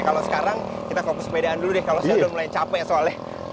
kalau sekarang kita ke pesepedaan dulu deh kalau sudah mulai capek soalnya